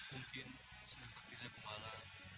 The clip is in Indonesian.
mungkin sudah takdirnya bumala